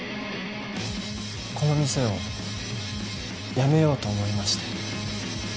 この店を辞めようと思いまして。